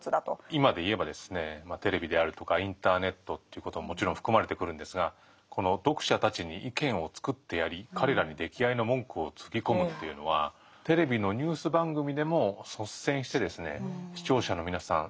今でいえばテレビであるとかインターネットということももちろん含まれてくるんですがこの「読者たちに意見をつくってやり彼等に出来合いの文句をつぎこむ」というのはテレビのニュース番組でも率先して「視聴者の皆さん